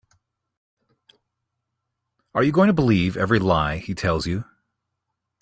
Are you going to believe every lie he tells you?